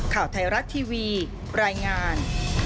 ข่าวไทยรัฐทีวีรายงาน